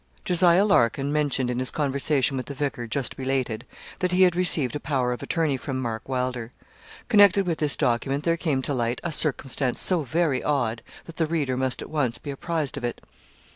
Jos. Larkin mentioned in his conversation with the vicar, just related, that he had received a power of attorney from Mark Wylder. Connected with this document there came to light a circumstance so very odd, that the reader must at once be apprised of it.